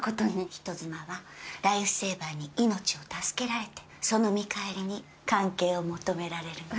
人妻はライフセーバーに命を助けられてその見返りに関係を求められるの。